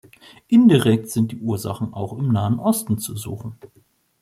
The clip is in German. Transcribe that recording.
Indirekt sind die Ursachen auch im Nahen Osten zu suchen.